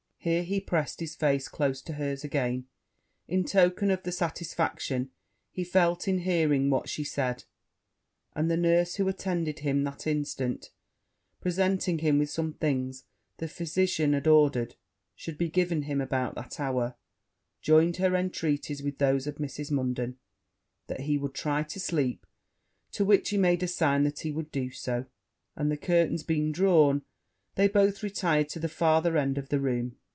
Here he pressed his face close to hers again, in token of the satisfaction he felt in hearing what she said; and the nurse who attended him that instant presenting him with some things the physician had ordered should be given him about that hour, joined her entreaties with those of Mrs. Munden, that he would try to sleep; to which he made a sign that he would do so: and, the curtains being drawn, they both retired to the farther end of the room.